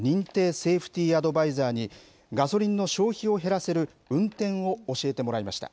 セーフティアドバイザーにガソリンの消費を減らせる運転を教えてもらいました。